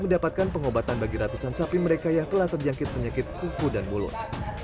mendapatkan pengobatan bagi ratusan sapi mereka yang telah terjangkit penyakit kuku dan mulut